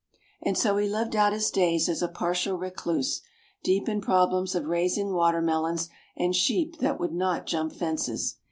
And so he lived out his days as a partial recluse, deep in problems of "raising watermelons, and sheep that would not jump fences."